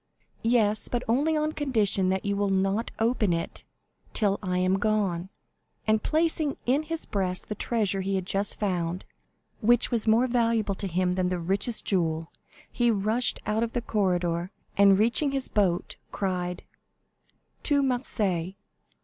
"Yes; but only on condition that you will not open it till I am gone;" and placing in his breast the treasure he had just found, which was more valuable to him than the richest jewel, he rushed out of the corridor, and reaching his boat, cried, "To Marseilles!"